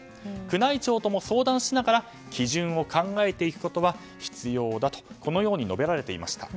宮内庁とも相談しながら基準を考えていくことは必要だと述べられていました。